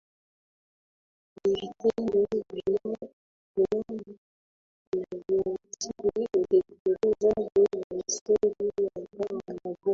Ni vitendo vinavyoathiri utekelezaji wa misingi ya utawala bora